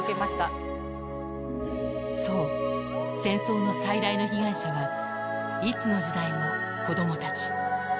そう、戦争の最大の被害者はいつの時代も子どもたち。